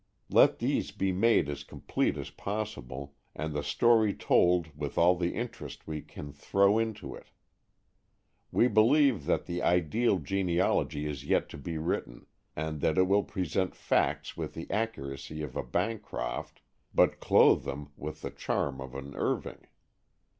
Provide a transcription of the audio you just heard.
Let these be made as complete as possible, and the story told with all the interest we can throw into it. We believe that the ideal genealogy is yet to be written, and that it will present facts with the accuracy of a Bancroft, but clothe them with the charm of an Irving.